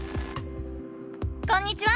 こんにちは！